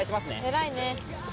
偉いね。